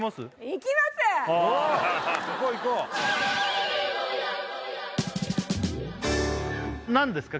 いこういこう何ですか？